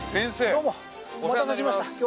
どうもお待たせしました。